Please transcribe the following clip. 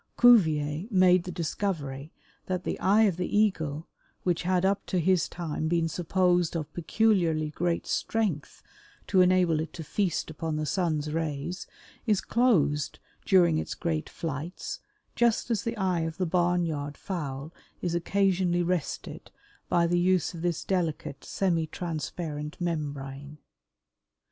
Cuvier made the discovery that the eye of the Eagle, which had up to his time been supposed of peculiarly great strength to enable it to feast upon the sun's rays, is closed during its great flights just as the eye of the barnyard fowl is occasionally rested by the use of this delicate semi transparent membrane.